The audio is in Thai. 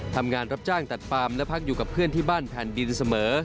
ทำงานรับจ้างตัดฟาร์มและพักอยู่กับเพื่อนที่บ้านแผ่นดินเสมอ